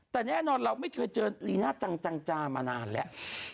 แต่แน่นอนเราไม่เคยเจอลีน่าจังจามานานแล้ว